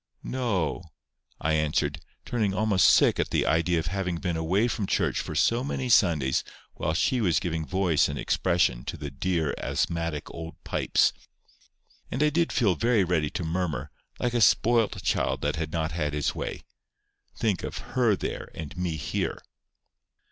"No," I answered, turning almost sick at the idea of having been away from church for so many Sundays while she was giving voice and expression to the dear asthmatic old pipes. And I did feel very ready to murmur, like a spoilt child that had not had his way. Think of HER there, and me here!